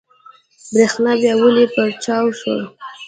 برېښنا بيا ولې پرچاو شوه؟